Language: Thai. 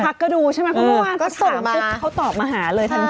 ก็ดูใช่ไหมเพราะเมื่อวานเขาส่งปุ๊บเขาตอบมาหาเลยทันที